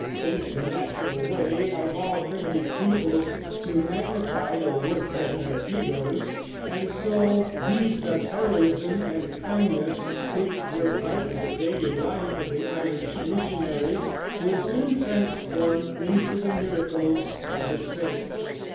It is the natural way of all primitive peoples to magnify the works of their heroes, and so deeds of heroism and kindness, which were part of the daily life of the Irish missionaries, were soon transformed into the miracles of the saints.